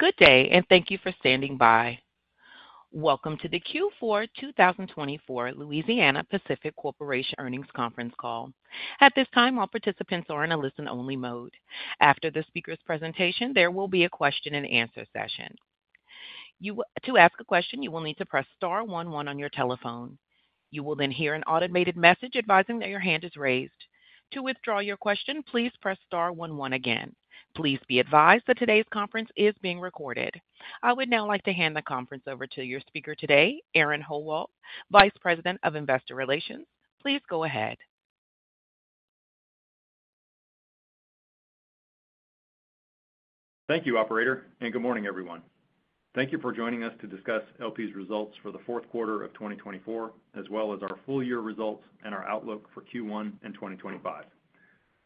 Good day and thank you for standing by. Welcome to the Q4 2024 Louisiana-Pacific Corporation earnings conference call. At this time, all participants are in a listen-only mode. After the speaker's presentation, there will be a question and answer session. To ask a question you will need to press star one one on your telephone. You will then hear an automated message advising that your hand is raised to withdraw your question. Please press star one one again. Please be advised that today's conference is being recorded. I would now like to hand the conference over to your speaker today, Aaron Howald, Vice President of Investor Relations. Please go ahead. Thank you, operator, and good morning, everyone. Thank you for joining us to discuss LP's results for the fourth quarter of 2024 as well as our full year results and our outlook for Q1 and 2025.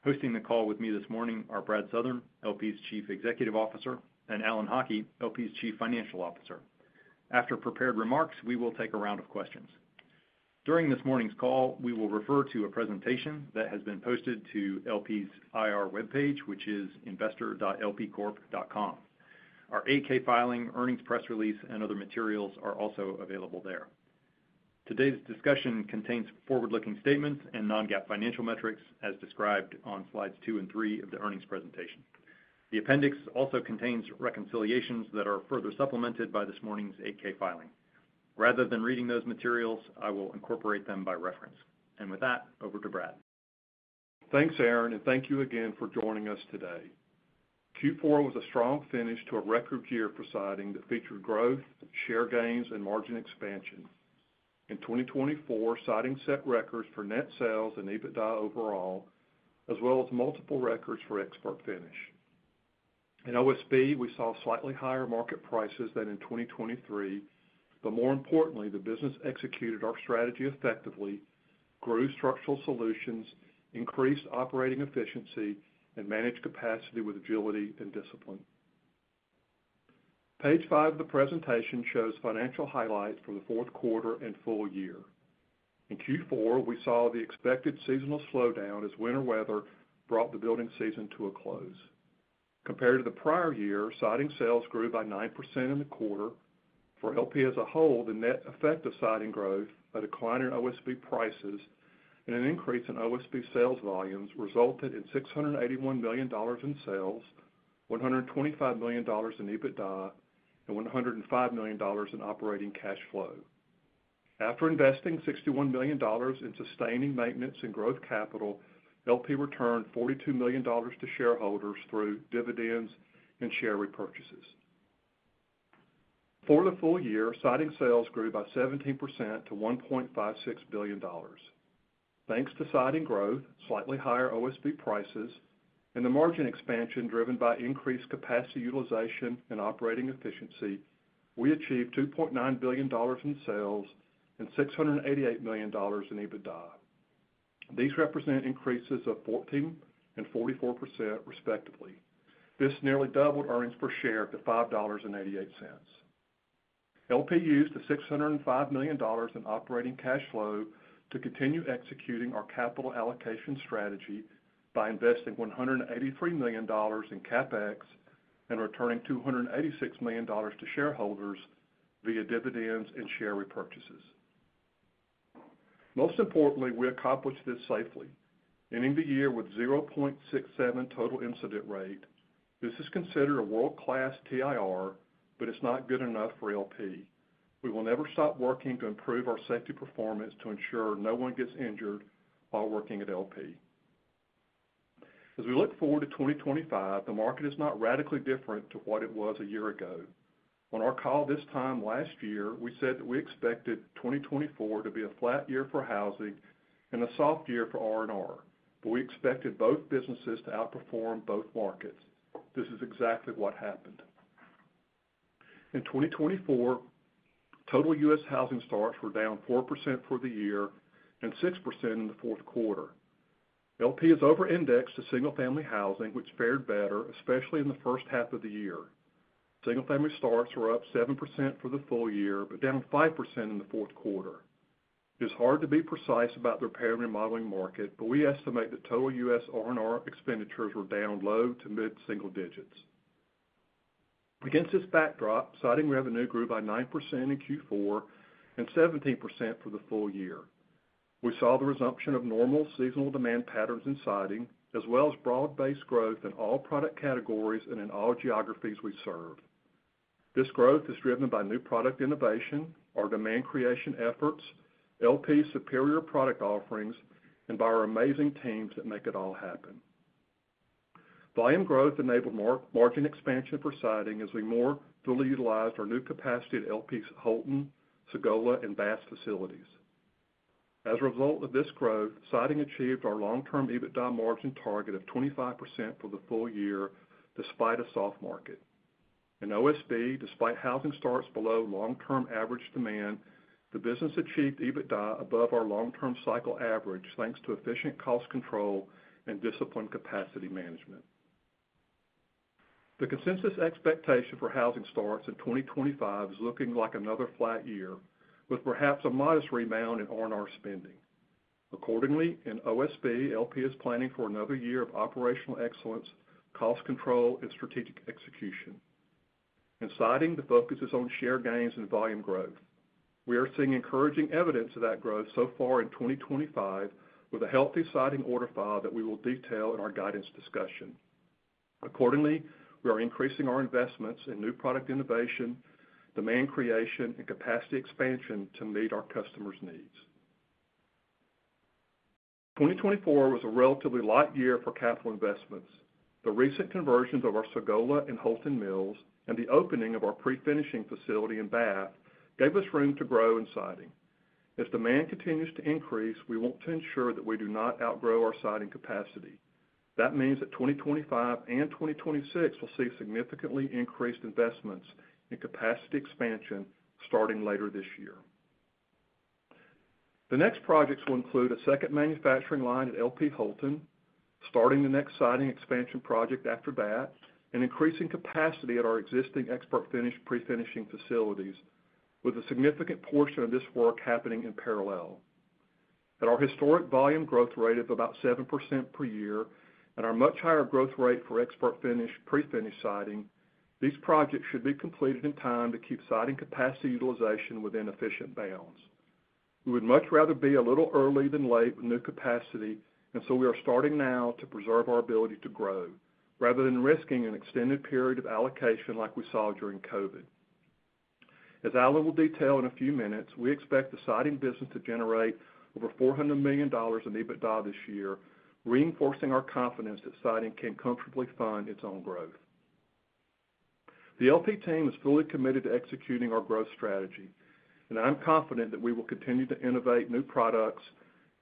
Hosting the call with me this morning are Brad Southern, LP's Chief Executive Officer, and Alan Haughie, LP's Chief Financial Officer. After prepared remarks, we will take a round of questions. During this morning's call, we will refer to a presentation that has been posted to LP's IR webpage, which is investor.lpcorp.com. Our 8-K filing, earnings press release, and other materials are also available there. Today's discussion contains forward-looking statements and non-GAAP financial metrics as described on slides two and three of the earnings presentation. The appendix also contains reconciliations that are further supplemented by this morning's 8-K filing. Rather than reading those materials, I will incorporate them by reference, and with that, over to Brad. Thanks Aaron and thank you again for joining us today. Q4 was a strong finish to a record year for siding that featured growth, share gains and margin expansion. In 2024, Siding set records for net sales and EBITDA overall, as well as multiple records for ExpertFinish. In OSB, we saw slightly higher market prices than in 2023, but more importantly, the business executed our strategy effectively, grew Structural Solutions, increased operating efficiency and managed capacity with agility and discipline. Page five of the presentation shows financial highlights for the fourth quarter and full year. In Q4 we saw the expected seasonal slowdown as winter weather brought the building season to a close. Compared to the prior year, siding sales grew by 9% in the quarter. For LP as a whole, the net effect of siding growth, a decline in OSB prices and an increase in OSB sales volumes resulted in $681 million in sales, $125 million in EBITDA and $105 million in operating cash flow. After investing $61 million in sustaining maintenance and growth capital LP returned $42 million to shareholders through dividends and share repurchases. For the full year, siding sales grew by 17% to $1.56 billion thanks to siding growth, slightly higher OSB prices and the margin expansion driven by increased capacity utilization and operating efficiency. We achieved $2.9 billion in sales and $688 million in EBITDA. These represent increases of 14% and 44% respectively. This nearly doubled earnings per share to $5.88. LP used the $605 million in operating cash flow to continue executing our capital allocation strategy by investing $183 million in CapEx and returning $286 million to shareholders via dividends and share repurchases. Most importantly, we accomplished this safely, ending the year with 0.67 Total Incident Rate. This is considered a world-class TIR, but it's not good enough for LP. We will never stop working to improve our safety performance to ensure no one gets injured while working at LP. As we look forward to 2025, the market is not radically different to what it was a year ago on our call. This time last year we said that we expected 2024 to be a flat year for housing and a soft year for R&R, but we expected both businesses to outperform both markets. This is exactly what happened. In 2024, total U.S. housing starts were down 4% for the year and 6% in the fourth quarter. LP is overindexed to single-family housing which fared better especially in the first half of the year. Single-family starts were up 7% for the full year but down 5% in the fourth quarter. It is hard to be precise about the repair and remodeling market, but we estimate that total U.S. R&R expenditures were down low to mid single digits. Against this backdrop, siding revenue grew by 9% in Q4 and 17% for the full year. We saw the resumption of normal seasonal demand patterns in siding as well as broad-based growth in all product categories and in all geographies we serve. This growth is driven by new product innovation, our demand creation efforts, LP superior product offerings and by our amazing teams that make it all happen. Volume growth enabled margin expansion for siding as we more fully utilized our new capacity at LP's Houlton, Sagola and Bath facilities. As a result of this growth, Siding achieved our long-term EBITDA margin target of 25% for the full year despite a soft market in OSB. Despite housing starts below long-term average demand, the business achieved EBITDA above our long-term cycle average. Thanks to efficient cost control and disciplined capacity management. The consensus expectation for housing starts in 2025 is looking like another flat year with perhaps a modest rebound in R&R spending. Accordingly, in OSB, LP is planning for another year of operational excellence, cost control and strategic execution. In siding, the focus is on share gains and volume growth. We are seeing encouraging evidence of that growth so far in 2025 with a healthy siding order file that we will detail in our guidance discussion. Accordingly, we are increasing our investments in new product innovation, demand creation and capacity expansion to meet our customers' needs. 2024 was a relatively light year for capital investments. The recent conversions of our Sagola and Houlton mills and the opening of our prefinishing facility in Bath gave us room to grow in siding. As demand continues to increase, we want to ensure that we do not outgrow our siding capacity. That means that 2025 and 2026 will see significantly increased investments in capacity expansion starting later this year. The next projects will include a second manufacturing line at LP Houlton, starting the next siding expansion project after Bath, and increasing capacity at our existing ExpertFinish pre-finishing facilities. With a significant portion of this work happening in parallel at our historic volume growth rate of about 7% per year and our much higher growth rate for ExpertFinish pre-finish siding, these projects should be completed in time to keep siding capacity utilization within efficient bounds. We would much rather be a little early than late with new capacity and so we are starting now to preserve our ability to grow rather than risking an extended period of allocation like we saw during COVID. As Alan will detail in a few minutes, we expect the siding business to generate over $400 million in EBITDA this year, reinforcing our confidence that siding can comfortably fund its own growth. The LP team is fully committed to executing our growth strategy and I'm confident that we will continue to innovate new products,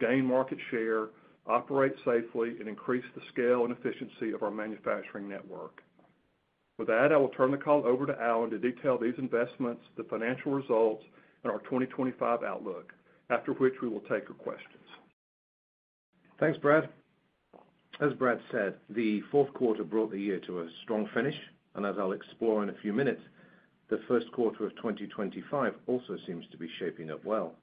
gain market share, operate safely and increase the scale and efficiency of our manufacturing network. With that, I will turn the call over to Alan to detail these investments, the financial results and our 2025 outlook, after which we will take your questions. Thanks, Brad. As Brad said, the fourth quarter brought the year to a strong finish and as I'll explore in a few minutes, the first quarter of 2025 also seems to be shaping up well.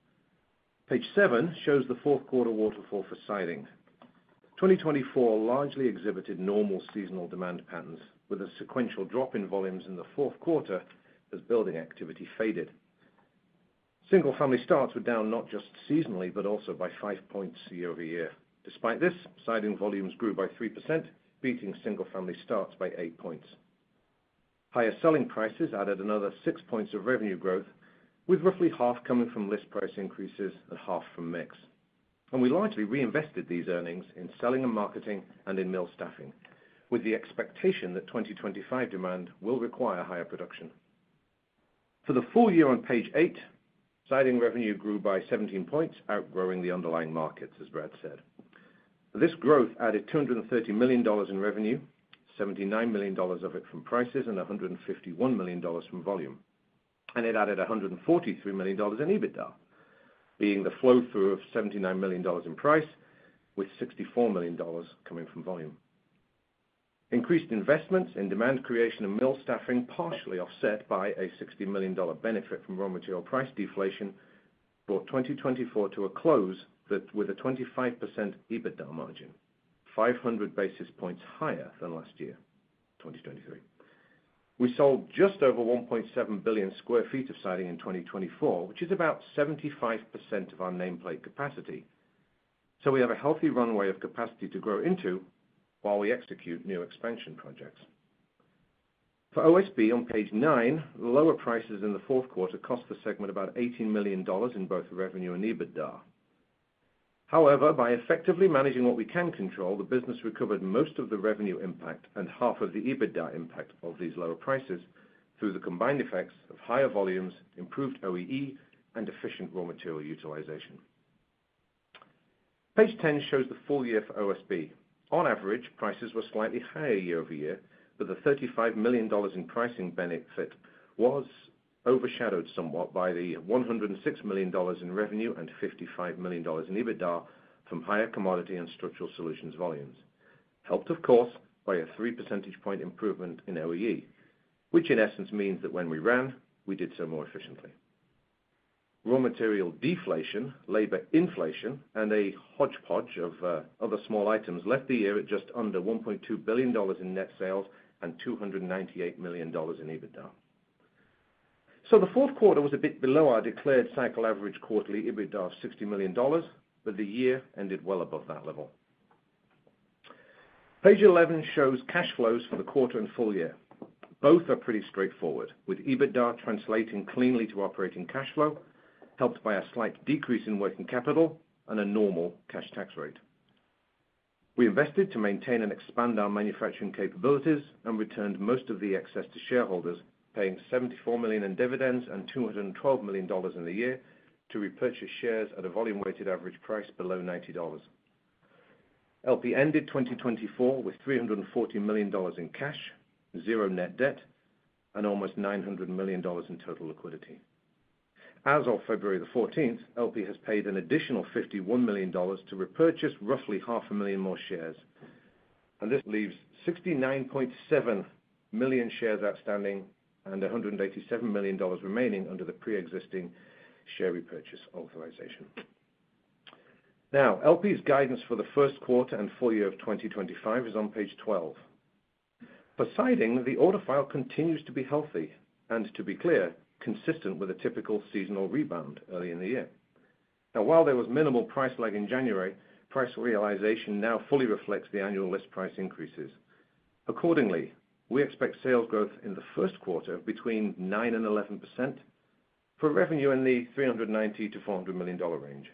Page seven shows the fourth quarter waterfall for siding. 2024 largely exhibited normal seasonal demand patterns with a sequential drop in volumes in the fourth quarter as building activity faded. Single-family starts were down not just seasonally, but also by five points year-over-year. Despite this, siding volumes grew by 3%, beating single-family starts by eight points. Higher selling prices added another six points of revenue growth, with roughly half coming from list price increases, half from mix, and we largely reinvested these earnings in selling and marketing and in mill staffing, with the expectation that 2025 demand will require higher production for the full year. On page eight, siding revenue grew by 17 points, outgrowing the underlying markets. As Brad said, this growth added $230 million in revenue, $79 million of it from prices and $151 million from volume. And it added $143 million in EBITDA, being the flow through of $79 million in price, with $64 million coming from volume. Increased investments in demand creation and mill staffing, partially offset by a $60 million benefit from raw material price deflation, brought 2024 to a close with a 25% EBITDA margin, 500 basis points higher than last year. 2023 we sold just over 1.7 billion sq ft of siding in 2024, which is about 75% of our nameplate capacity. So we have a healthy runway of capacity to grow into while we execute new expansion projects for OSB. On page nine, lower prices in the fourth quarter cost the segment about $18 million in both revenue and EBITDA. However, by effectively managing what we can control, the business recovered most of the revenue impact as well as half of the EBITDA impact of these lower prices through the combined effects of higher volumes, improved OEE and efficient raw material utilization. Page 10 shows the full year for OSB. On average, prices were slightly higher year-over-year, but the $35 million in pricing benefit was overshadowed somewhat by the $106 million in revenue and $55 million in EBITDA from higher commodity and Structural Solutions volumes, helped of course by a three percentage point improvement in OEE, which in essence means that when we ran, we did so more efficiently. Raw material deflation, labor inflation and a hodgepodge of other small items left the year at just under $1.2 billion in net sales and $298 million in EBITDA. The fourth quarter was a bit below our declared cycle average quarterly EBITDA of $60 million, but the year ended well above that level. Page 11 shows cash flows for the quarter and full year. Both are pretty straightforward, with EBITDA translating cleanly to operating cash flow, helped by a slight decrease in working capital and a normal cash tax rate. We invested to maintain and expand our manufacturing capabilities and returned most of the excess to shareholders, paying $74 million in dividends and $212 million in the year to repurchase shares at a volume weighted average price below $90. LP ended 2024 with $340 million in cash, zero net debt and almost $900 million in total liquidity. As of February 14, LP has paid an additional $51 million to repurchase roughly 500,000 more shares and this leaves 69.7 million shares outstanding and $187 million remaining under the preexisting share repurchase authorization. Now. LP's guidance for the first quarter and full year of 2025 is on page 12. For siding, the order file continues to be healthy and to be clear, consistent with a typical seasonal rebound early in the year. Now, while there was minimal price lag in January, price realization now fully reflects the annual list price increases. Accordingly, we expect sales growth in the first quarter between 9% and 11% for revenue in the $390 million-$400 million range.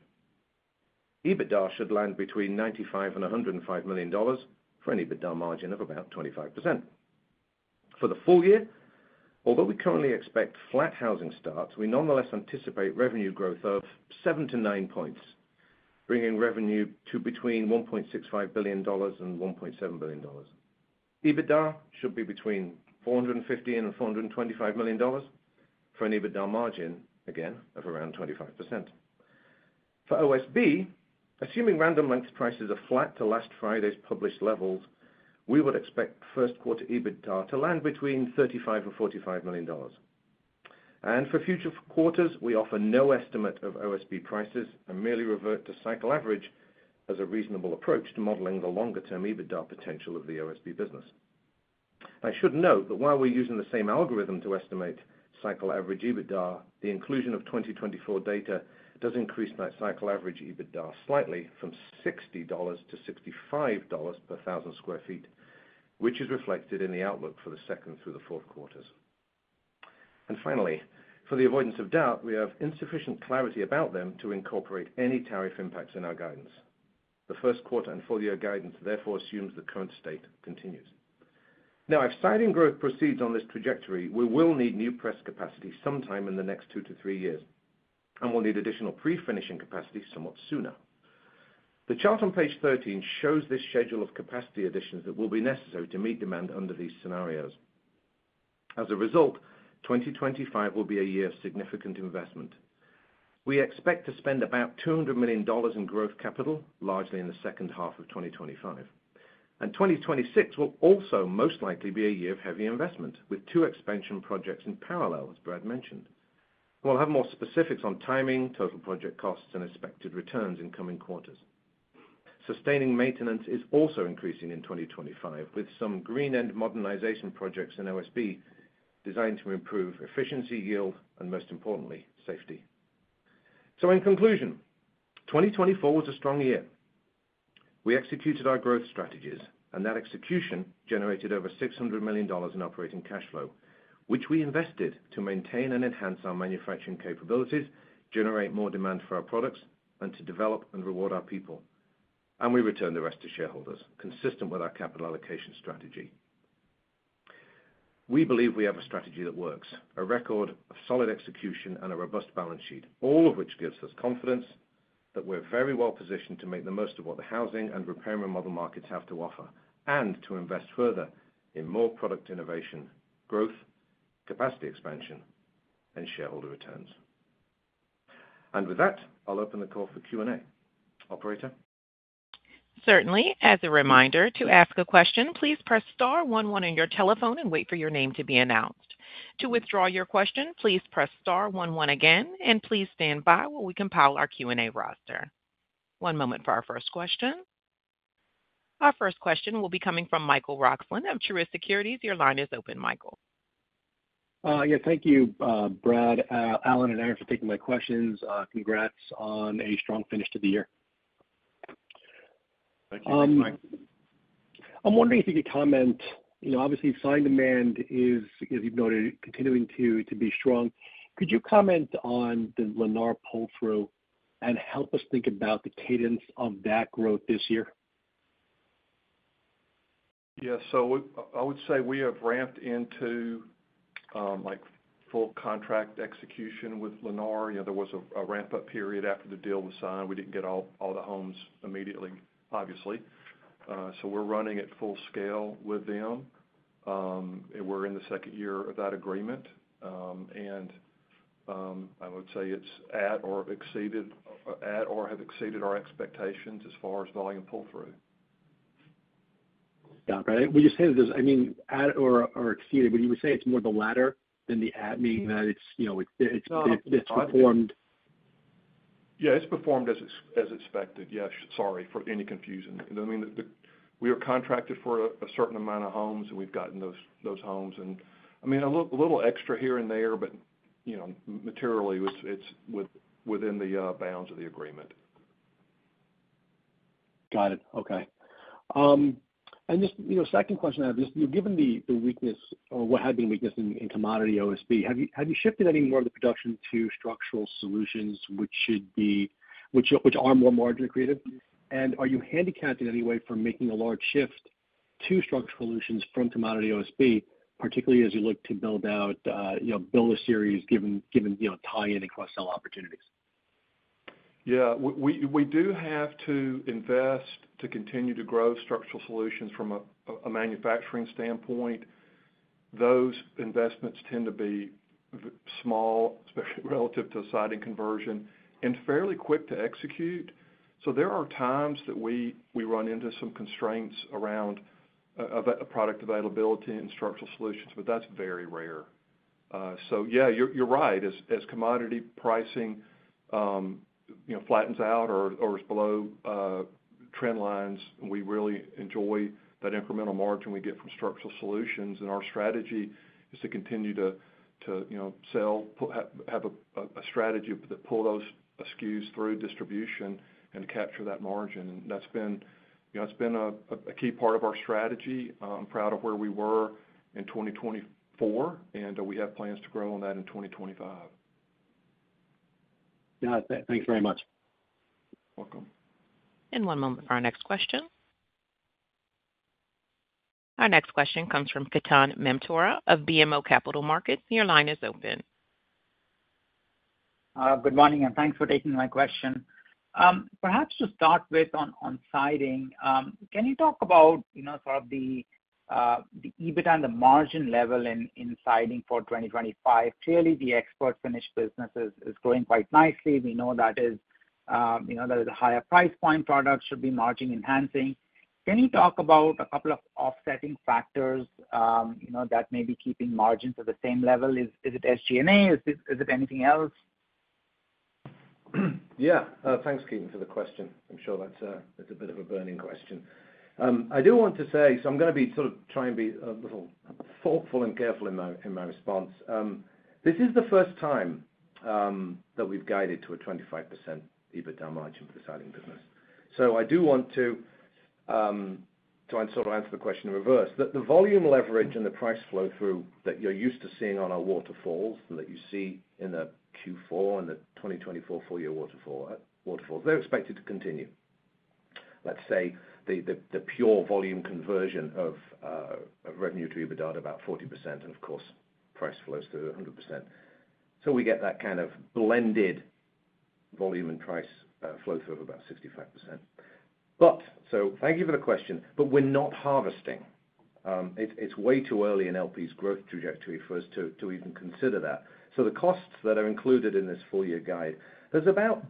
EBITDA should land between $95 and $105 million for an EBITDA margin of about 25%. For the full year, although we currently expect flat housing starts, we nonetheless anticipate revenue growth of seven to nine points, bringing revenue to between $1.65 billion and $1.7 billion. EBITDA should be between $450 million and $425 million for an EBITDA margin again of around 25% for OSB. Assuming Random Lengths prices are flat to last Friday's published levels, we would expect first quarter EBITDA to land between $35 million and $45 million. For future quarters we offer no estimate of OSB prices and merely revert to cycle average. As a reasonable approach to modeling the longer term EBITDA potential of the OSB business, I should note that while we're using the same algorithm to estimate cycle average EBITDA, the inclusion of 2024 data does increase that cycle average EBITDA slightly from $60-$65 per 1,000 sq ft, which is reflected in the outlook for the second through the fourth quarters. Finally, for the avoidance of doubt, we have insufficient clarity about them to incorporate any tariff impacts in our guidance. The first quarter and full year guidance therefore assumes the current state continues now. If siding growth proceeds on this trajectory, we will need new press capacity sometime in the next two to three years and we'll need additional prefinishing capacity somewhat sooner. The chart on page 13 shows this schedule of capacity additions that will be necessary to meet demand under these scenarios. As a result, 2025 will be a year of significant investment. We expect to spend about $200 million in growth capital largely in the second half of 2025, and 2026 will also most likely be a year of heavy investment with two expansion projects in parallel. As Brad mentioned, we'll have more specifics on timing, total project costs and expected returns in coming quarters. Sustaining maintenance is also increasing in 2025, with some green end modernization projects in OSB designed to improve efficiency, yield, and most importantly, safety, so in conclusion, 2024 was a strong year. We executed our growth strategies and that execution generated over $600 million in operating cash flow, which we invested to maintain and enhance our manufacturing capabilities, generate more demand for our products, and to develop and reward our people. And we return the rest to shareholders consistent with our capital allocation strategy. We believe we have a strategy that works, a record of solid execution and a robust balance sheet. All of which gives us confidence that we're very well positioned to make the most of what the housing and repair remodel markets have to offer and to invest further in more product innovation, growth, capacity expansion and shareholder returns. And with that, I'll open the call for Q&A. Operator. Certainly. As a reminder to ask a question, please press star one one on your telephone and wait for your name to be announced. To withdraw your question, please press star one one again, and please stand by while we compile our Q&A roster. One moment for our first question. Our first question will be coming from Michael Roxland of Truist Securities. Your line is open, Michael. Thank you Brad, Alan and Aaron for taking my questions. Congrats on a strong finish to the year. I'm wondering if you could comment. You know, obviously siding demand is, as. You've noted, continuing to be strong. Could you comment on the Lennar pull through and help us think about the cadence of that growth this year? Yeah, so I would say we have ramped into like full contract execution with Lennar. You know, there was a ramp up period after the deal was signed. We didn't get all the homes immediately, obviously. So we're running at full scale with them and we're in the second year of that agreement and I would say it's at or exceeded at or have exceeded our expectations as far as volume pull through. Would you say? I mean at or exceeded, but you would say it's more the latter than the admin that it's, you know, it's performed. Yeah, it's performed as expected. Yes. Sorry for any confusion. I mean we were contracted for a certain amount of homes and we've gotten those homes and I mean a little extra here and there but you know, materially it's within the bounds of the agreement. Got it. Okay. And just, you know, second question I. Has, given the weakness or what had been weakness in commodity OSB, have. You shifted any more of the production? To Structural Solutions which should be, which are more margin accretive and are you handicapped in any way for making a. Large shift to Structural Solutions from commodity. OSB, particularly as you look to build. How about BuilderSeries given, you know, tie-in cross-sell opportunities? Yeah, we do have to invest to continue to grow Structural Solutions. From a manufacturing standpoint, those investments tend to be small, especially relative to siding conversion and fairly quick to execute. So there are times that we run into some constraints around product availability and Structural Solutions, but that's very rare. So yeah, you're right. As commodity pricing. Flattens out or is below trend lines. We really enjoy that incremental margin we get from Structural Solutions. And our strategy is to continue to sell, have a strategy to pull those SKUs through distribution and capture that margin. And that's been a key part of our strategy. I'm proud of where we were in 2024 and we have plans to grow on that in 2025. Thanks very much. Welcome. And one moment for our next question. Our next question comes from Ketan Mamtora of BMO Capital Markets. Your line is open. Good morning and thanks for taking my question. Perhaps to start with on siding, can you talk about sort of the EBITDA and the margin level in siding for 2025? Clearly the ExpertFinish business is growing quite nicely. We know that is, that is a higher price point. Products should be margin enhancing. Can you talk about a couple of offsetting factors that may be keeping margins at the same level? Is it SG&A? Is it anything else? Yeah, thanks Ketan for the question. I'm sure that's a bit of a burning question. I do want to say, so I'm going to be sort of try and be a little thoughtful and careful in my response. This is the first time that we've guided to a 25% EBITDA margin for the siding business. So I do want to try and sort of answer the question in reverse. The volume leverage and the price flow through that you're used to seeing on our waterfalls that you see in the Q4 and the 2024 full year waterfalls, they're expected to continue, let's say the pure volume conversion of revenue to EBITDA at about 40% and of course price flows through 100%. So we get that kind of blended volume and price flow through of about 65%. But so thank you for the question, but we're not harvesting. It's way too early in LP's growth trajectory for us to even consider that. So the costs that are included in this full-year guide, there's about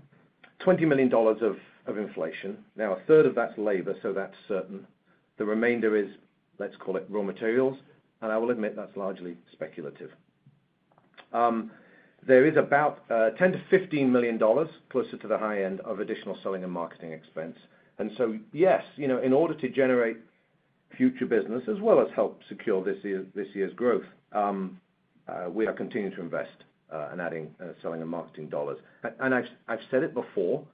$20 million of inflation that now a third of that's labor, so that's certain. The remainder is, let's call it raw materials, and I will admit that's largely speculative. There is about $10 million-$15 million closer to the high end of additional selling and marketing expense. And so yes, in order to generate future business as well as help secure this year's growth, we are continuing to invest in adding selling and marketing dollars. And I've said it before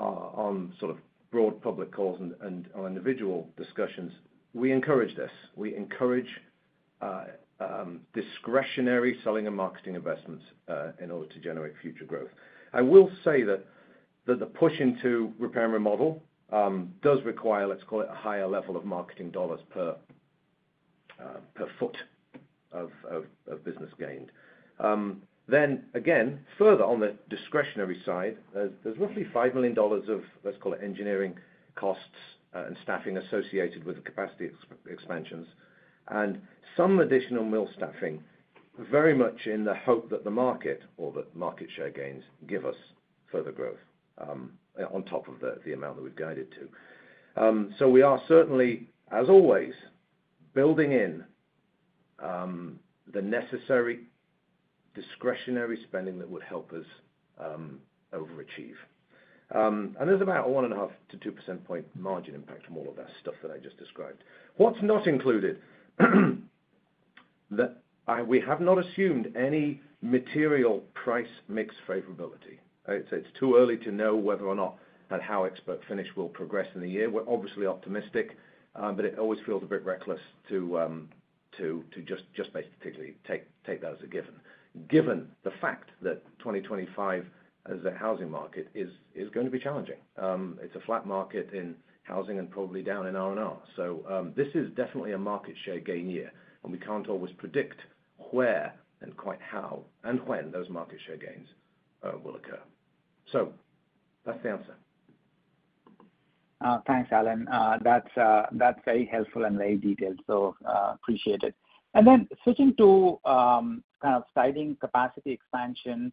on sort of broad public calls and individual discussions, we encourage this. We encourage. Discretionary selling and marketing investments in order to generate future growth. I will say that the push into repair and remodel does require, let's call it a higher level of marketing dollars. Per foot of business gained. Then again, further on the discretionary side, there's roughly $5 million of, let's call it, engineering costs and staffing associated with the capacity expansions and some additional mill staffing, very much in the hope that the market or that market share gains give us further growth on top of the amount that we've guided to. So we are certainly, as always building in. The necessary discretionary spending that would help us overachieve, and there's about a one and a half to two percentage point margin impact from all of that stuff that I just described. What's not included. We have not assumed any material price mix favorability. It's too early to know whether or not ExpertFinish will progress in the year. We're obviously optimistic, but it always feels a bit reckless to just basically take that as a given, given the fact that 2025, as a housing market, is going to be challenging. It's a flat market in housing and probably down in R&R, so this is definitely a market share gain year and we can't always predict where and quite how and when those market share gains will occur, so that's the answer. Thanks, Alan. That's very helpful and very detailed, so appreciate it. And then switching to kind of siding capacity expansion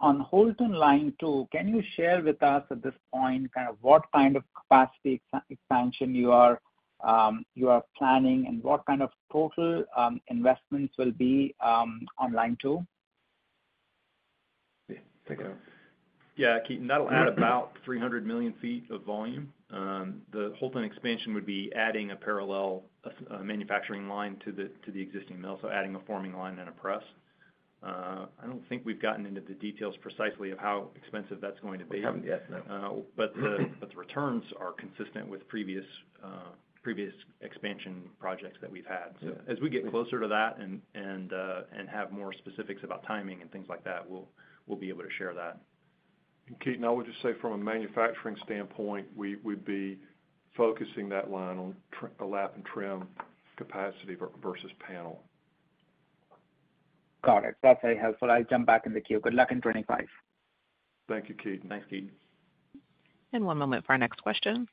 on Houlton Line Two, can you share with us at this point kind of what kind of capacity expansion you are planning and what kind of total investments will be online to? Yeah, Ketan. That'll add about 300 million ft of volume. The Houlton expansion would be adding a parallel manufacturing line to the existing mill. So adding a forming line and a press. I don't think we've gotten into the details precisely of how expensive that's going to be. I haven't yet. But the returns are consistent with previous expansion projects that we've had. So as we get closer to that and have more specifics about timing and things like that, we'll, we'll be able to share that. Ketan. I would just say from a manufacturing standpoint, we'd be focusing that line on lap and trim capacity versus panel. Got it. That's very helpful. I'll jump back in the queue. Good luck in 25. Thank you, Ketan. One moment for our next question.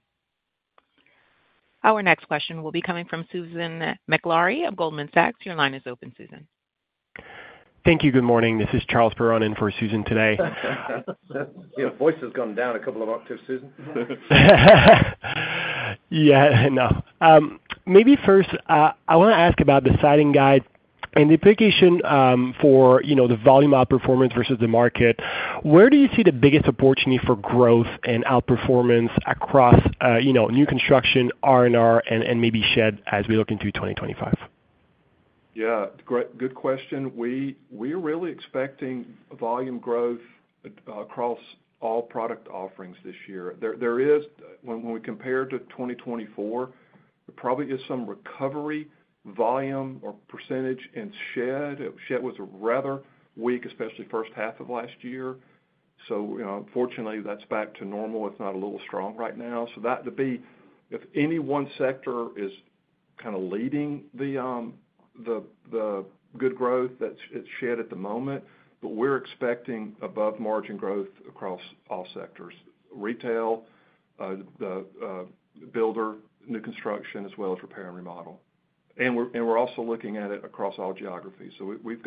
Our next question will be coming from Susan Maklari of Goldman Sachs. Your line is open, Susan. Thank you. Good morning, this is Charles Perron in for Susan. Today your voice has gone down a couple of octaves, Susan. Yeah, no, maybe first I want to ask about the siding guide and the implication for the volume outperformance versus the market. Where do you see the biggest opportunity for growth and outperformance across new construction R&R and maybe shed as we look into 2025? Yeah, good question. We're really expecting volume growth across all product offerings this year. When we compare to 2024, there probably is some recovery volume or percentage in shed. Shed was rather weak, especially first half of last year. So fortunately that's back to normal. It's now a little strong right now. So that to be if any one sector is kind of leading the growth that it's shown at the moment, but we're expecting above-market growth across all sectors: retail, the builder, new construction, as well as repair and remodel. We're also looking at it across all geographies. We're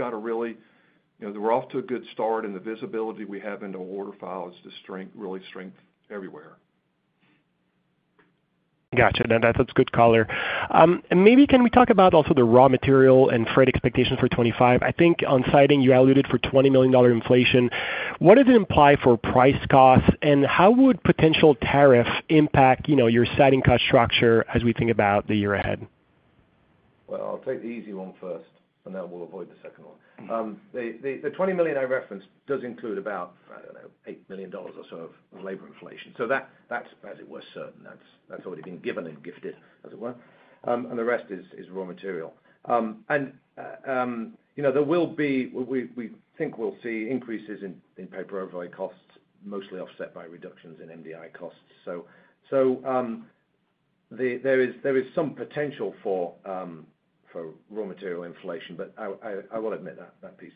off to a good start, and the visibility we have into order files is really strengthening everywhere. Gotcha. That's good color. Maybe can we talk about also the raw material and freight expectations for 2025? I think on siding you alluded for $20 million inflation. What does it imply for price costs and how would potential tariff impact your siding cost structure as we think about the year ahead? I'll take the easy one first and then we'll avoid the second one. The $20 million I referenced does include about, I don't know, $8 million or so of labor inflation. So that's as it were, certain that's already been given and gifted as it were. And the rest is raw material. And there will be, we think we'll see increases in paper overlay costs mostly offset by reductions in MDI costs. So there is some potential for raw material inflation. But I will admit that piece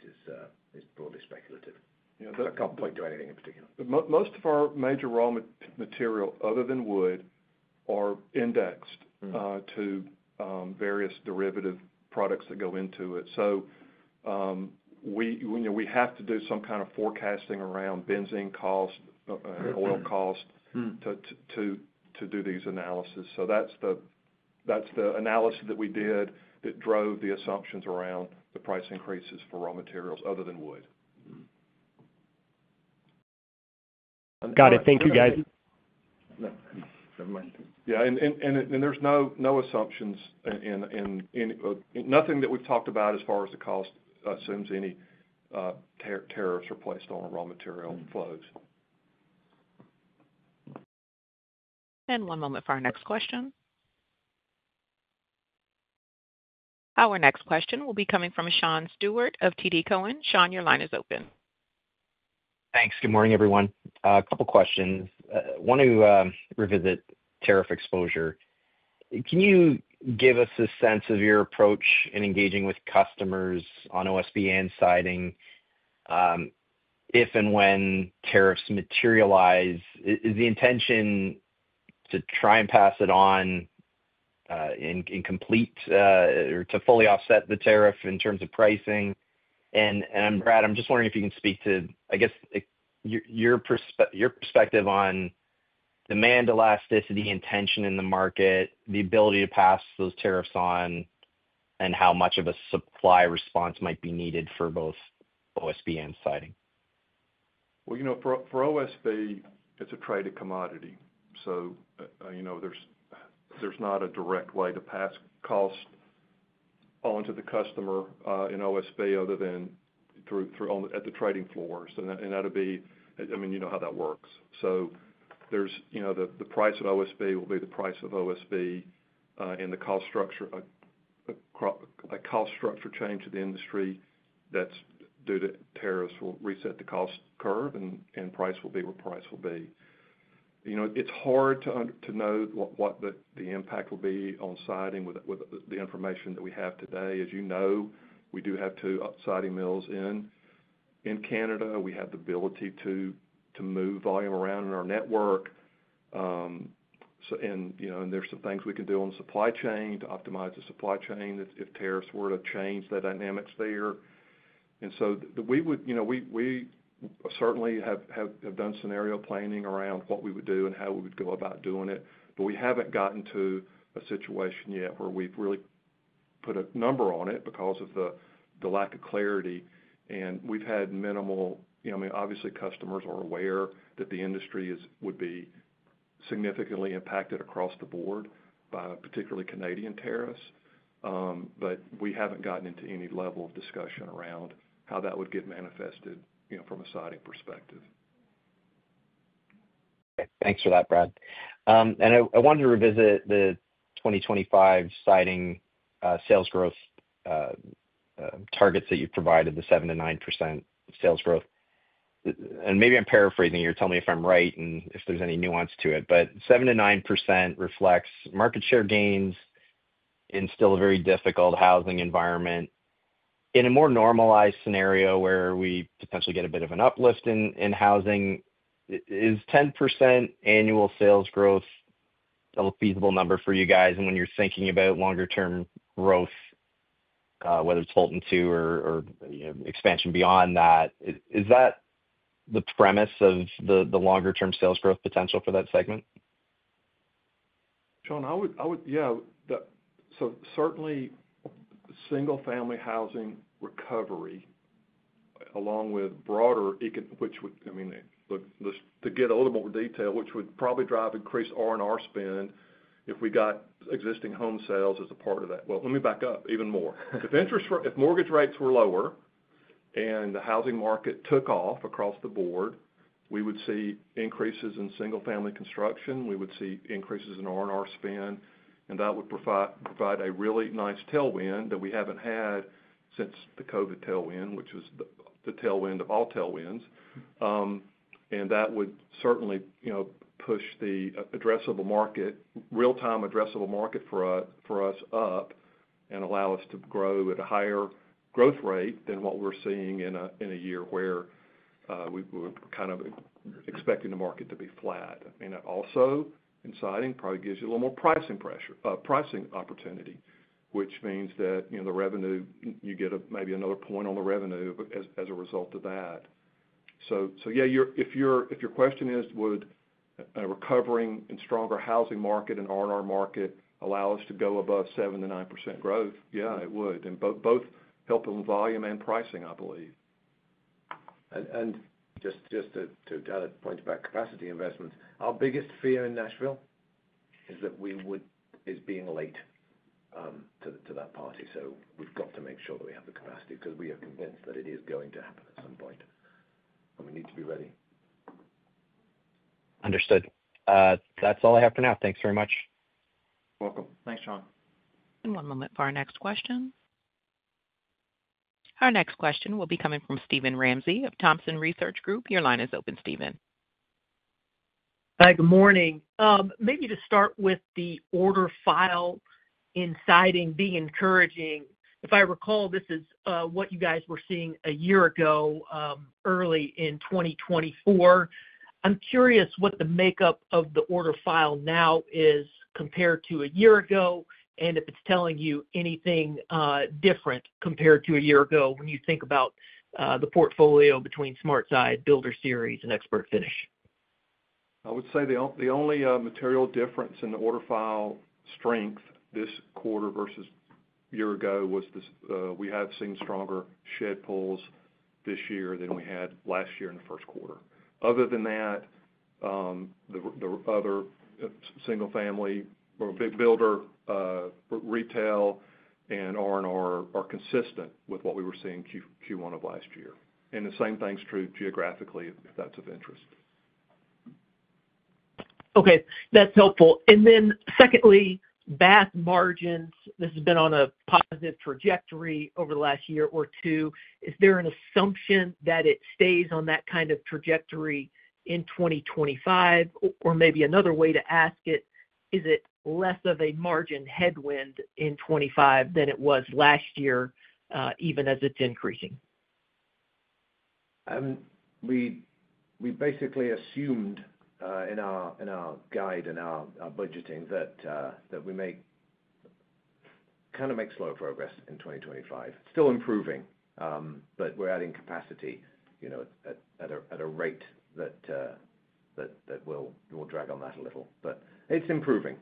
is broadly speculative. I can't point to anything in particular. Most of our major raw material other than wood are indexed to various derivative products that go into it. So. We have to do some kind of forecasting around benzene cost, oil cost. To do these analysis. So that's the analysis that we did that drove the assumptions around the price increases for raw materials other than wood. Got it. Thank you guys. Yeah, and there's no assumptions. Nothing that we've talked about as far as the cost assumes any tariffs are placed on raw material flows. One moment for our next question. Our next question will be coming from Sean Steuart of TD Cowen. Sean, your line is open. Thanks. Good morning everyone. A couple questions. Want to revisit tariff exposure? Can you give us a sense of your approach in engaging with customers on OSB and siding? If and when tariffs materialize, is the intention to try and pass it on? And complete or to fully offset the tariff in terms of pricing? And Brad, I'm just wondering if you can speak to, I guess. Your perspective on demand elasticity and tension in the market, the ability to pass those tariffs on and how much of a supply response might be needed for both OSB and siding. Well, you know, for OSB, it's a traded commodity so you know, there's not a direct way to pass cost onto the customer in OSB other than through at the trading floors. And that'd be, I mean, you know how that works. So there's, you know, the price of OSB will be the price of OSB and the cost structure. A cost structure change to the industry that's due to tariffs will reset the cost curve and price will be where price will be. You know, it's hard to know what the impact will be on siding with the information that we have today. As you know, we do have two siding mills in Canada. We have the ability to move volume around in our network. You know, there's some things we can do on the supply chain to optimize the supply chain if tariffs were to change the dynamics there. So we would, you know, we certainly have done scenario planning around what we would do and how we would go about doing it, but we haven't gotten to a situation yet where we've really put a number on it because of the lack of clarity. We've had minimal. I mean obviously customers are aware that the industry would be significantly impacted across the board by particularly Canadian tariffs, but we haven't gotten into any level of discussion around how that would get manifested from a siding perspective. Thanks for that, Brad. And I wanted to revisit the 2025 siding sales growth. Targets that you provided. The 7%-9% sales growth. And maybe I'm paraphrasing here, tell me if I'm right and if there's any nuance to it. But 7%-9% reflects market share gains in still a very difficult housing environment. In a more normalized scenario where we potentially get a bit of an uplift in housing. Is 10% annual sales growth a feasible number for you guys? And when you're thinking about longer term growth, whether it's Houlton Two or expansion beyond that, is that the premise of the longer term sales growth potential for that segment? Sean? I would. Yeah. So certainly single-family housing recovery along with broader, which would, I mean to get a little more detail, which would probably drive increased R&R spend if we got existing home sales as. A part of that. Well, let me back up even more. If mortgage rates were lower and the housing market took off across the board, we would see increases in single-family construction, we would see increases in R&R spend and that would provide a really nice tailwind that we haven't had since the COVID tailwind, which was the tailwind of all tailwinds. And that would certainly push the addressable market, real time addressable market for us up and allow us to grow at a higher growth rate than what we're seeing in a year where we're kind of expecting the market to be flat. And that also in siding probably gives you a little more pricing opportunity, which means that the revenue you get maybe another point on the revenue as a result of that. So yeah, if your question is would a recovering and stronger housing market and R&R market allow us to go above 7%-9% growth? Yeah, it would. And both helping volume and pricing, I believe. And just to point about capacity investments, our biggest fear in Nashville is that we would be being late to that party. So we've got to make sure that we have the capacity because we are convinced that it is going to happen at some point and we need to be ready. Understood. That's all I have for now. Thanks very much. Welcome. Thanks, Sean. One moment for our next question. Our next question will be coming from Steven Ramsey of Thompson Research Group. Your line is open. Steven. Hi, good morning. Maybe to start with the order file in siding the encouraging. If I recall, this is what you guys were seeing a year ago early in 2024. I'm curious what the makeup of the order file now is compared to a year ago and if it's tell you anything different compared to a year ago. When you think about the portfolio between SmartSide BuilderSeries and ExpertFinish? I would say the only material difference in the order file strength this quarter versus year ago was we have seen stronger shed pulls this year than we had last year in the first quarter. Other than that, The other single-family or big builder retail and R&R are consistent with what we were seeing Q1 of last year, and the same thing's true geographically, if that's of interest. Okay, that's helpful. And then secondly, OSB margins. This has been on a positive trajectory over the last year or two. Is there an assumption that it stays on that kind of trajectory in 2025? Or maybe another way to ask it, is it less of a margin headwind in 2025 than it was last year even as it's increasing? We basically assumed in our guide and our budgeting that we kind of make slow progress in 2025. Still improving, but we're adding capacity at a rate. That will drag on that a little. But it's improving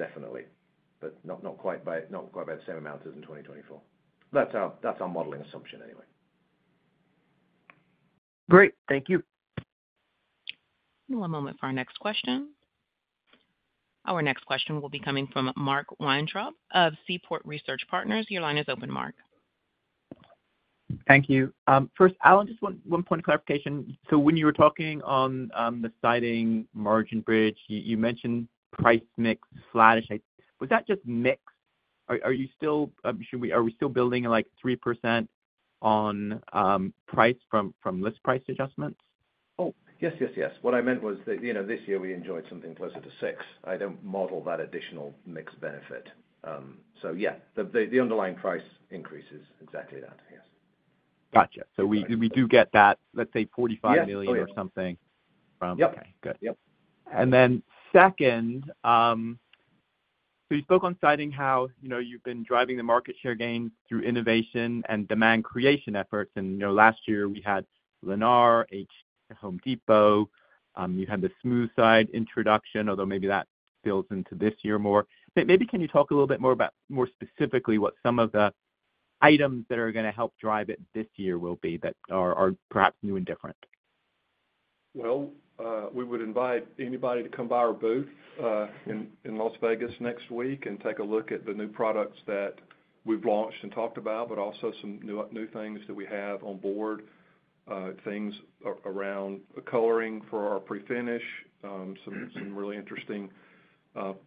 definitely, but not quite by the same amount as in 2024. That's our modeling assumption anyway. Great. Thank you. One moment for our next question. Our next question will be coming from Mark Weintraub of Seaport Research Partners. Your line is open, Mark. Thank you. First, Alan, just one point of clarification. So when you were talking on the siding margin bridge, you mentioned price mix. Flattish. Was that just mix? Are you still? Should we. Are we still building like 3% on? Price from list price adjustments? Oh, yes, yes, yes. What I meant was that this year we enjoyed something closer to six. I don't model that additional mix benefit. So yeah, the underlying price increases exactly that. Yes. Gotcha. So we do get that, let's say $45 million or something. And then second. So you spoke on. Citing how you've been driving the market share gain through innovation and demand creation efforts. And last year we had Lennar, Home Depot; you had the smooth side introduction. Although maybe that falls into this year more. Maybe can you talk a little bit? More about, more specifically, what some of the items that are going to help drive it this year will be that are perhaps new and different? We would invite anybody to come by our booth in Las Vegas next week and take a look at the new products that we've launched and talked about. Also some new things that we have on board, things around coloring for our prefinish, some really interesting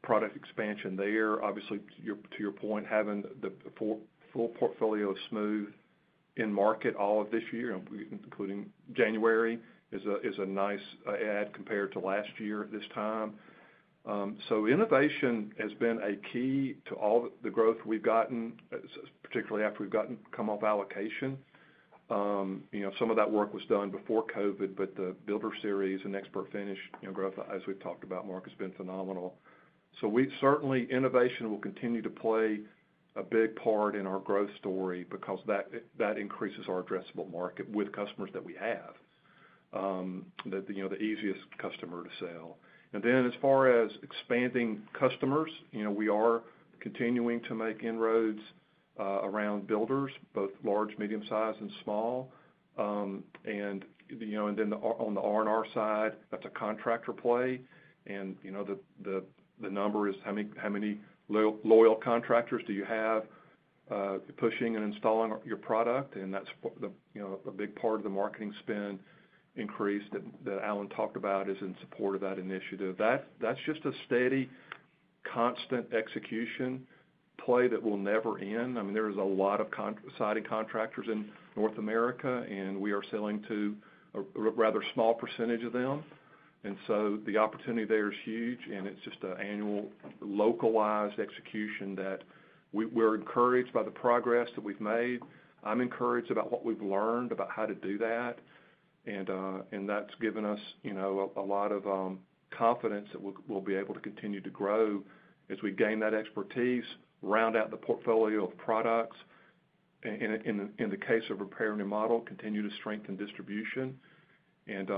product expansion there. Obviously, to your point, having the full portfolio smooth in market all of this year, including January, is a nice add compared to last year at this time. Innovation has been a key to all the growth we've gotten, particularly after we've come off allocation. Some of that work was done before COVID but the BuilderSeries and ExpertFinish growth, as we've talked about, Mark, has been phenomenal. So we certainly innovation will continue to play a big part in our growth story because that increases our addressable market with customers that we have. The easiest customer to sell. And then, as far as expanding customers, we are continuing to make inroads around builders both large, medium size, and small. And then on the R&R side, that's a contractor play. And the number is how many loyal contractors do you have pushing and installing your product. And that's a big part of the marketing spend increase that Alan talked about is in support of that initiative. That's just a steady, constant execution play that will never end. I mean, there is a lot of siding contractors and North America and we are selling to a rather small percentage of them. And so the opportunity there is huge. And it's just an annual localized execution that we're encouraged by the progress that we've made. I'm encouraged about what we've learned about how to do that. And that's given us a lot of confidence that we'll be able to continue to grow as we gain that expertise, round out the portfolio of products. In the case of R&R remodel, continue to strengthen distribution and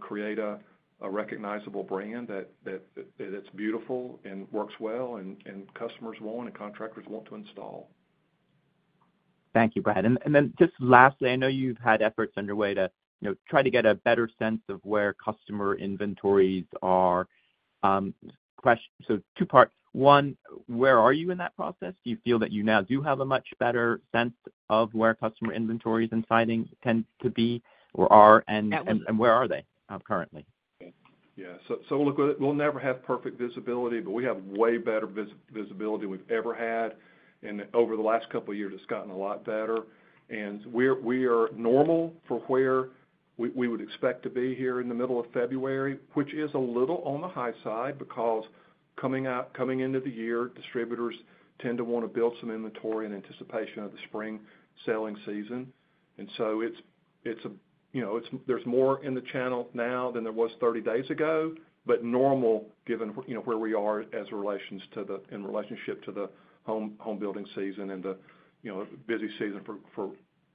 create a recognizable brand that's beautiful and works well and customers want and contractors want to install. Thank you, Brad. And then just lastly, I know you've. Had efforts underway to try to get a better sense of where customer inventories are. Two parts. One, where are you in that process? Do you feel that you now do have a much better sense of where customer inventories and sidings tend to be or are and where are they currently? Yeah, so we'll never have perfect visibility, but we have way better visibility than we've ever had, and over the last couple years, it's gotten a lot better and we are normal for where we would expect to be here in the middle of February, which is a little on the high side because coming out, coming into the year, distributors tend to want to build some inventory in anticipation of the spring selling season, and so it's a, you know, there's more in the channel now than there was 30 days ago, but normal given, you know, where we are as relations to the, in relationship to the home building season and the busy season for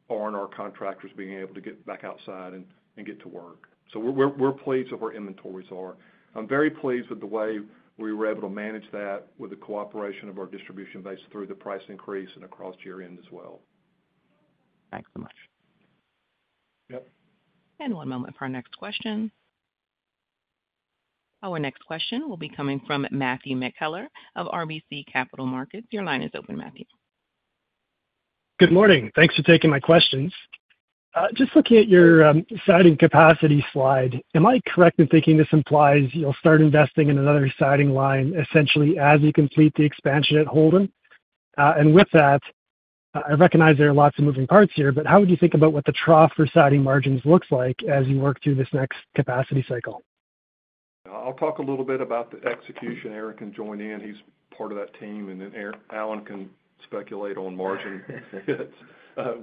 R&R contractors being able to get back outside and get to work, so we're pleased with our inventories are. I'm very pleased with the way we were able to manage that with the cooperation of our distribution base through the price increase and across year end as well. Thanks so much. One moment for our next question. Our next question will be coming from Matthew McKellar of RBC Capital Markets. Your line is open. Matthew. Good morning. Thanks for taking my questions. Just looking at your siding capacity slide, am I correct in thinking this implies you'll start investing in another siding line essentially as you complete the expansion at Houlton? And with that I recognize there are lots of moving parts here, but how would you think about what the trough for siding margins looks like as you work through this next capacity cycle? I'll talk a little bit about the execution. Aaron can join in, he's part of that team and then Alan can speculate on margin.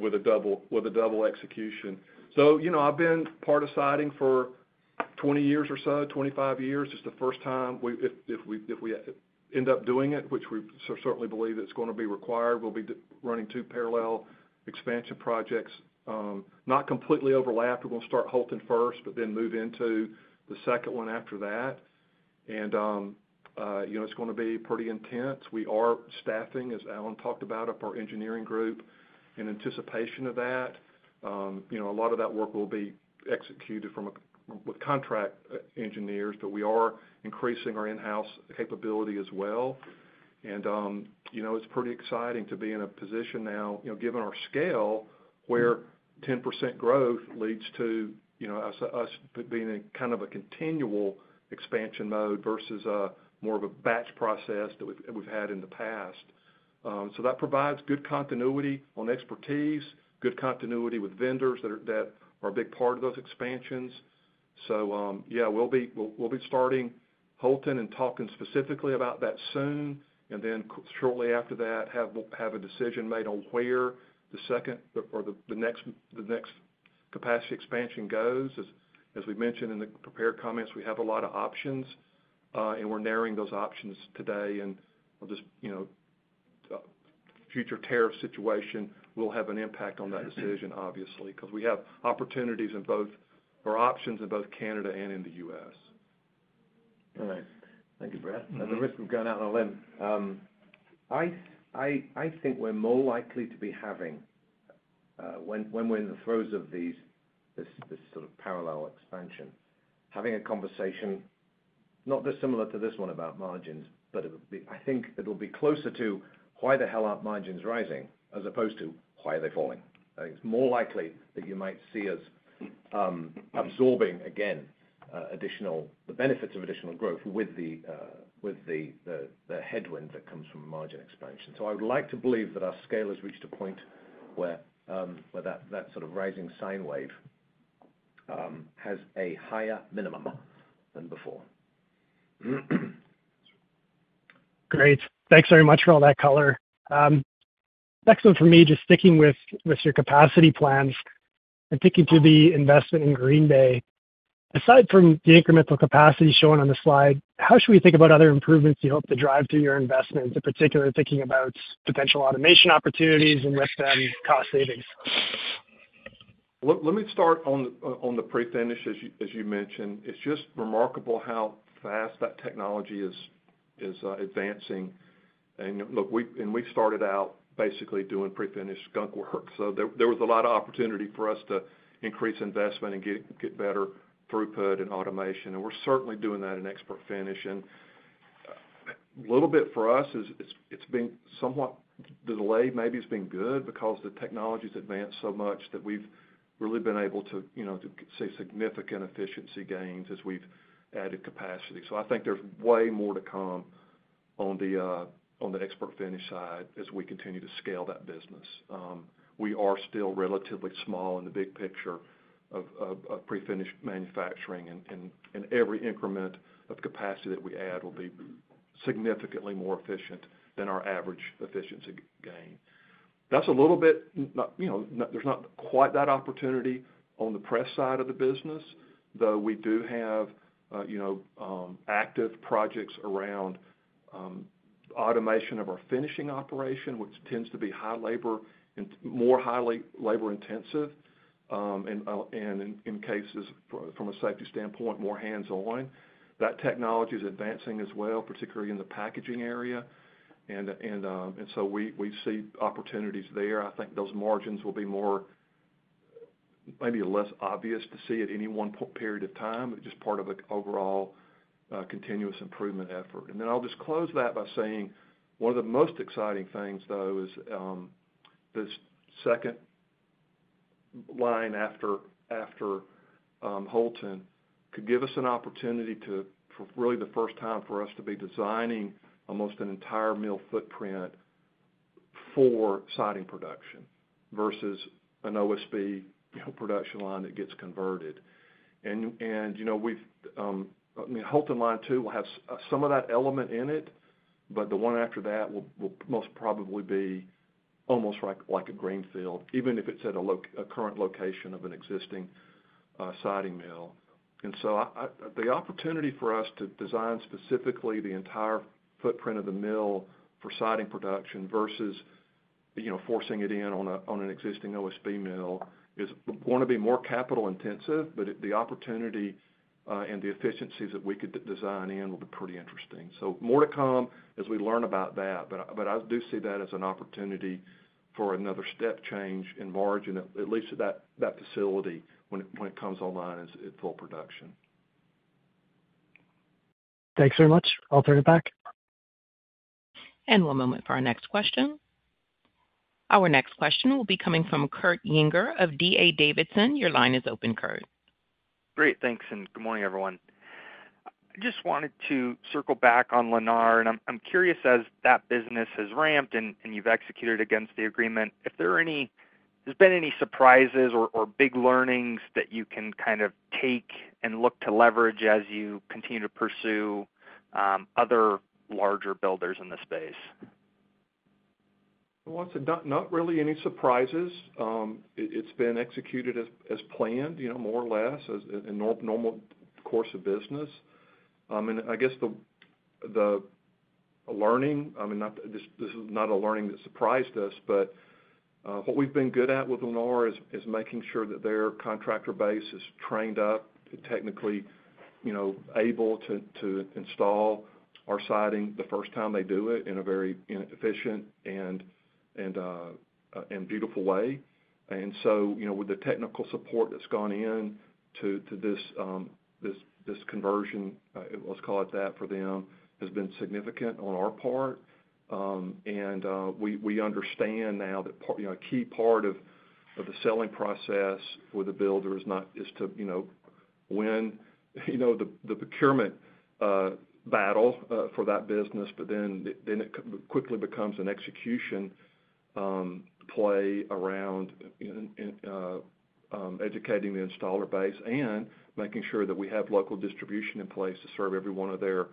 With a double execution. You know, I've been part of siding for 20 years or so, 25 years. It's the first time if we end up doing it, which we certainly believe that's going to be required. We'll be running two parallel expansion projects not completely overlapped. We're going to start Houlton first but then move into the second one after that and it's going to be pretty intense. We are staffing, as Alan talked about, up our engineering group in anticipation of that. A lot of that work will be executed with contract engineers. But we are increasing our in-house capability as well. It's pretty exciting to be in a position now given our scale where 10% growth leads to, you know, us being in kind of a continual expansion mode versus more of a batch process that we've had in the past. So that provides good continuity on expertise, good continuity with vendors that are a big part of those expansions. So yeah, we'll be starting Houlton and talking specifically about that soon and then shortly after that have a decision made on where the second or the next capacity expansion goes as we mentioned in the prepared comments. We have a lot of options and we're narrowing those options today and. Future tariff situation will have an impact on that decision obviously because we have opportunities or options in both Canada and in. The U.S. All right, thank you, Brad. At the risk of going out on a limb. I think we're more likely to be having when we're in the throes of this sort of parallel expansion, having a conversation not dissimilar to this one about margins, but I think it. Will be closer to why the hell. Aren't margins rising as opposed to why are they falling? It's more likely that you might see us absorbing again additional the benefits of additional growth with. The headwind that comes from margin expansion. So I would like to believe that our scale has reached a point where that sort of rising sine wave has a higher minimum than before. Great. Thanks very much for all that color. Excellent for me just sticking with your capacity plans and talking to the investment in Green Bay. Aside from the incremental capacity shown on the slide, how should we think about other improvements you hope to derive from your investments? In particular thinking about potential automation opportunities and with them cost savings. Let me start on the prefinish as you mentioned, it's just remarkable how fast that technology is advancing. And look, we started out basically doing prefinish grunt work, so there was a lot of opportunity for us to increase investment and get better throughput and automation. And we're certainly doing that in ExpertFinish. And a little bit for us it's been somewhat the delay maybe has been good because the technology's advanced so much that we've really been able to see significant efficiency gains as we've added capacity. So I think there's way more to come. On the ExpertFinish side as we continue to scale that business. We are still relatively small in the big picture of pre-finished manufacturing and every increment of capacity that we add will be significantly more efficient than our average efficiency gain. That's a little bit. There's not quite that opportunity on the press side of the business though we do have. Active projects around. Automation of our finishing operation, which tends to be more highly labor intensive. In cases from a safety standpoint, more hands-on that technology is advancing as well, particularly in the packaging area and so we see opportunities there. I think those margins will be more. Maybe less obvious to see at any one period of time, just part of an overall continuous improvement effort, and then I'll just close that by saying one of the most exciting things though is this second. Line after Houlton could give us an opportunity to really the first time for us to be designing almost an entire mill footprint for siding production versus an OSB production line that gets converted. And you know, we've Houlton line two will have some of that element in it, but the one after that will most probably be almost like a greenfield, even if it's at a current location of an existing siding mill. And so the opportunity for us to design specifically the entire footprint of the mill for siding production versus forcing it in on an existing OSB mill is going to be more capital intensive. But the opportunity and the efficiencies that we could design in will be pretty interesting. So more to come as we learn about that. But I do see that as an opportunity for another step change in margin, at least that facility when it comes online at full production. Thanks very much. I'll turn it back. One moment for our next question. Our next question will be coming from Kurt Yinger of D.A. Davidson. Your line is open, Kurt. Great. Thanks and good morning everyone. I just wanted to circle back on. Lennar, and I'm curious as that business. Has ramped and you've executed against the. Regarding, if there have been any surprises or big learnings that you can kind of take and look to. Leverage as you continue to pursue other. Larger builders in the space. Not really any surprises. It's been executed as planned, more or less in normal course of business. I guess the learning, this is not a learning that surprised us, but what we've been good at with Lennar is making sure that their contractor base is trained up, technically able to install our siding the first time they do it in a very efficient and. Beautiful way. And so with the technical support that's gone in to this conversion, let's call it that for them, has been significant on our part. And we understand now that a key part of the selling process with the builder is not to win the procurement battle for that business. But then it quickly becomes an execution play around. Educating the installer base and making sure that we have local distribution in place to serve every one of. Their.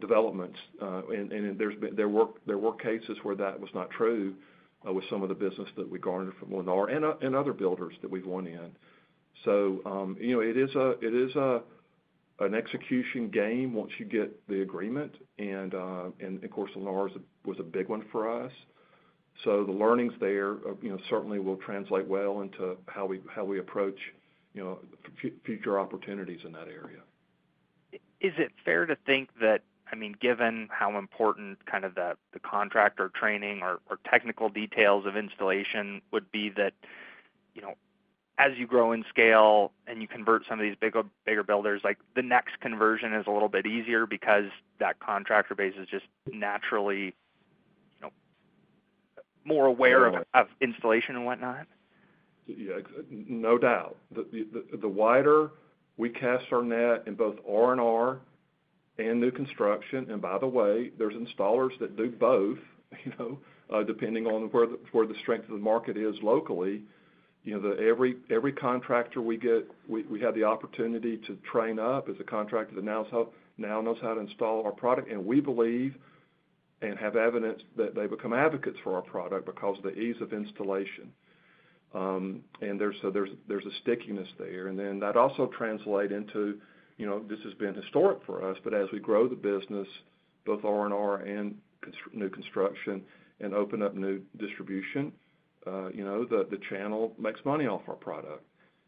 Developments and their work. There were cases where that was not true with some of the business that we garnered from Lennar and other builders that we've won in. So it is an execution game once you get the agreement. And of course Lennar was a big one for us. So the learnings there certainly will translate well into how we approach future opportunities in that area. Is it fair to think that, I mean, given how important kind of the contractor training or technical details of installation would be that as you grow in scale and you convert some of these bigger builders, the next conversion is a little bit easier because that contractor base is just naturally? More aware of installation and whatnot. No doubt, the wider we cast our net in both R&R and new construction. And by the way, there's installers that do both, depending on where the strength of the market is. Locally, every contractor we get, we have the opportunity to train up as a contractor that now knows how to install our product. And we believe and have evidence that they become advocates for our product because of the ease of installation. And so there's a stickiness there. And then that also translates into, you know, this has been historic for us. But as we grow the business, both R&R and new construction and open up new distribution, you know, the channel makes money off our product.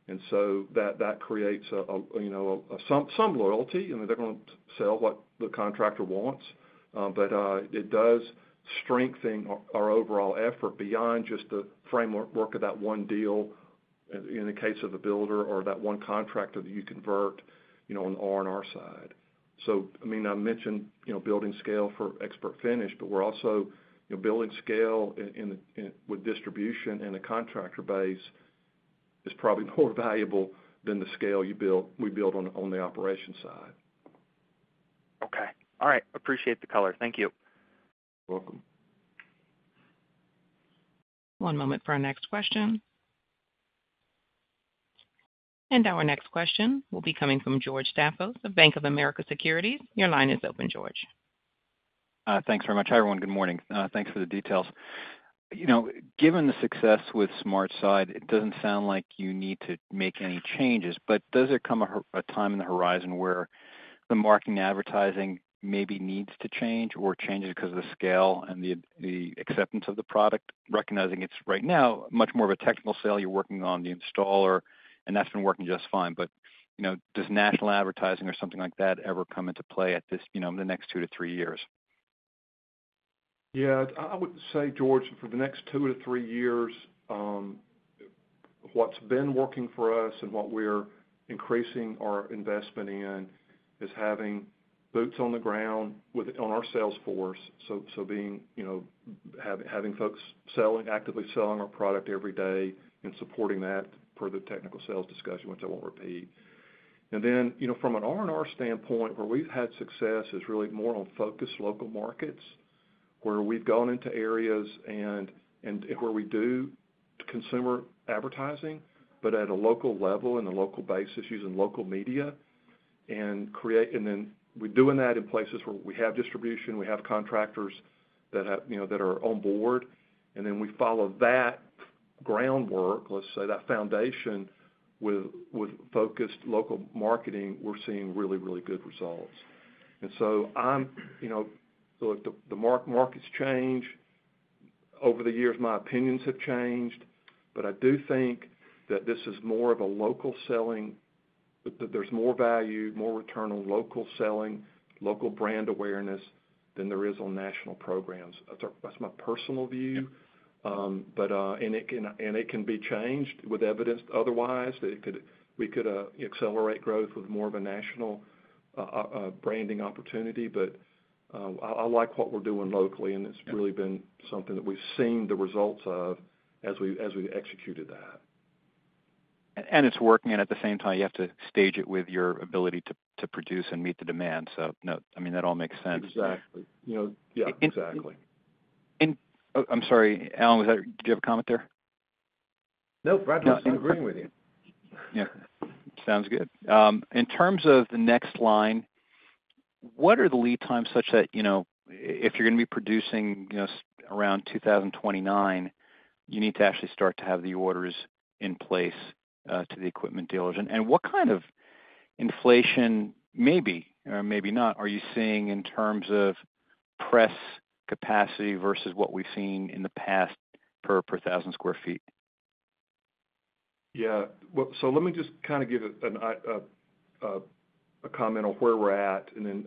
And so that creates some loyalty and they're going to sell what the contractor wants. But it does strengthen our overall effort beyond just the framework of that one deal in the case of a builder or that one contractor that you convert, you know, on the R&R side. So, I mean, I mentioned, you know, building scale for ExpertFinish, but we're also building scale with distribution, and the contractor base is probably more valuable than the scale you build. We build on the operations side. Okay. All right. Appreciate the color. Thank you. You're welcome. One moment for our next question. And our next question will be coming from George Staphos of Bank of America Securities. Your line is open, George. Thanks very much. Hi, everyone. Good morning. Thanks for the details. You know, given the success with SmartSide, it doesn't sound like you need to make any changes, but does it come a time in the horizon where the marketing advertising maybe needs to change or changes because of the scale and the acceptance of the product, recognizing it's right now much more of a technical sale, you're working on the installer, and that's been working just fine. But does national advertising or something like that ever come into play at this? The next two to three years? Yeah, I would say, George, for the next two to three years. What's been working for us and what we're increasing our investment in is having boots on the ground on our sales force. So being, you know, having folks selling, actively selling our product every day and supporting that for the technical sales discussion, which I won't repeat. And then, you know, from an R&R standpoint, where we've had success is really more on focused local markets where we've gone into areas and where we do consumer advertising, but at a local level and a local basis using local media. And then we're doing that in places where we have distribution, we have contractors that are on board. And then we follow that groundwork, let's say that foundation with focused local marketing, we're seeing really, really good results. And so I'm, you know, the markets change over the years, my opinions have changed, but I do think that this is more of a local selling. There's more value, more return on local selling, local brand awareness than there is on national programs. That's my personal view. But. And it can be changed with evidence otherwise that it could. We could accelerate growth with more of a national branding opportunity. But I like what we're doing locally and it's really been something that we've seen the results of as we executed that. And it's working. And at the same time you have to stage it with your ability to produce and meet the demand. So I mean, that all makes sense. Exactly, Exactly. I'm sorry, Alan, did you have a comment there? No. Brad agreeing with you sounds good. In terms of the next line, what are the lead times such that if you're going to be producing around 2029, you need to actually start to have the orders in place to the equipment dealers? And what kind of inflation, maybe or maybe not, are you seeing in terms of press capacity versus what we've seen in the past per 1,000 sq ft? Yeah. So let me just kind of give A comment on where we're at and then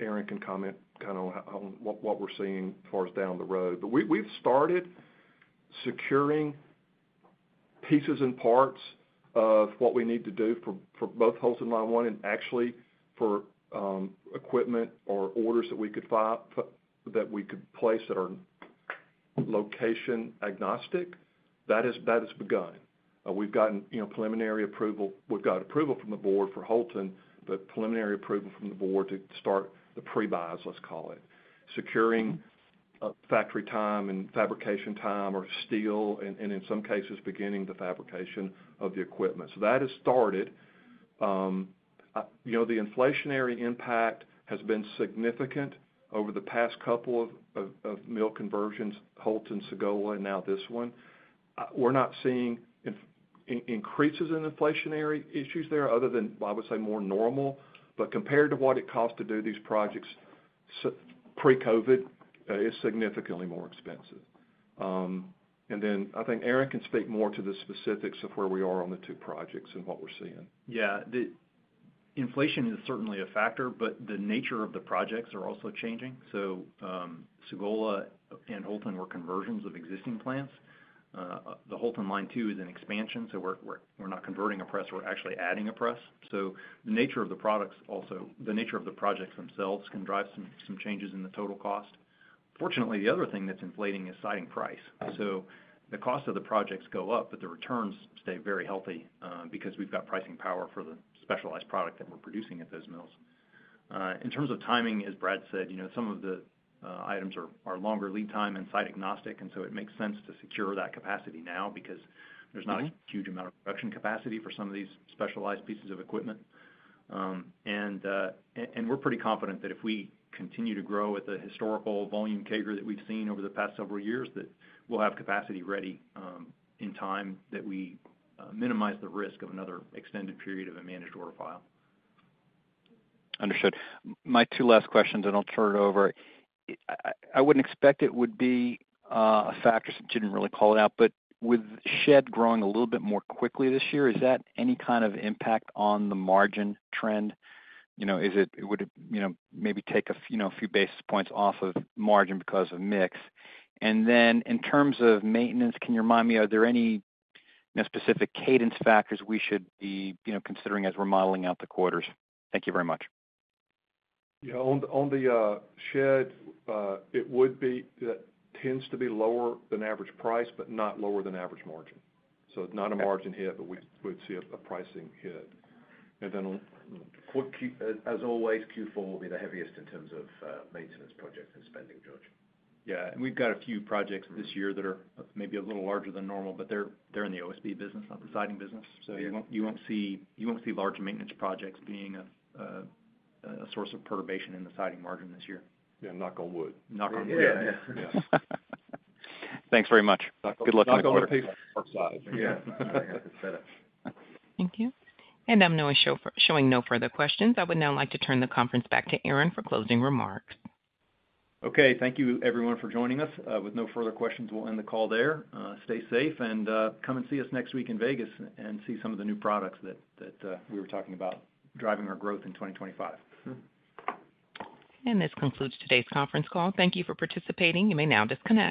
Aaron can comment kind of on what we're seeing as far as down the road. But we've started securing pieces and parts of what we need to do for Houlton Line One. And actually for equipment or orders that we could file that we could place at our location-agnostic that has begun. We've gotten, you know, preliminary approval. We've got approval from the board for Houlton, but preliminary approval from the board to start the pre-buys, let's call it securing factory time and fabrication time or steel and in some cases beginning the fabrication of the equipment. So that has started. You know, the inflationary impact has been significant over the past couple of mill conversions. Houlton, Sagola and now this one. We're not seeing increases in inflationary issues there other than I would say more normal. But compared to what it cost to do these projects pre-COVID, it's significantly more expensive. And then I think Aaron can speak more to the specifics of where we are on the two projects and what. We're seeing, Yes, inflation is certainly a factor, but the nature of the projects are also changing. So Sagola and Houlton were conversions of existing plants. The Houlton Line Two is an expansion. So we're not converting a press, we're actually adding a press. So the nature of the products, also the nature of the projects themselves can drive some changes in the total cost. Fortunately, the other thing that's inflating is siding price. So the cost of the projects go up, but the returns stay very healthy because we've got pricing power for the specialized product that we're producing at those mills. In terms of timing, as Brad said, you know, some of the items are longer lead time and site agnostic. And so it makes sense to secure that capacity now because there's not a huge amount of production capacity for some of these specialized pieces of equipment. And we're pretty confident that if we continue to grow at the historical volume CAGR that we've seen over the past several years, that we'll have capacity ready in time, that we minimize the risk of another extended period of a managed order file. Understood. My two last questions and I'll turn it over. I wouldn't expect it would be a factor since you didn't really call it out, but with shed growing a little bit more quickly this year, is that any kind of impact on the margin trend? It would maybe take a few basis points off of margin because of mix. And then in terms of maintenance, can you remind me, are there any specific cadence factors we should be considering as we're modeling out the quarters? Thank you very much. On the shed, it would tend to be lower than average price but not lower than average margin. So not a margin hit, but we'd see a pricing hit. And then as always, Q4 will be. The heaviest in terms of maintenance, projects, and spending. George? Yeah, and we've got a few projects this year that are maybe a little larger than normal, but they're in the OSB business, not the siding business. So you won't see large maintenance projects being a source of perturbation in the siding margin this year. Yeah, knock on wood. Knock on wood. Thanks very much. Good luck on the quarter. Thank you. I'm showing no further questions. I would now like to turn the conference back to Aaron Howald for closing remarks. Okay, thank you everyone for joining us with no further questions. We'll end the call there. Stay safe and come and see us next week in Las Vegas and see some of the new products that we were talking about driving our growth in 2025. This concludes today's conference call. Thank you for participating. You may now disconnect.